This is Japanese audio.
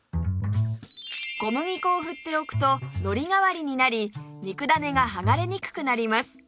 小麦粉を振っておくとのり代わりになり肉だねが剥がれにくくなります